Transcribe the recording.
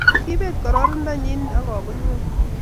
Kiibet kororonindo nyi agobut ingweny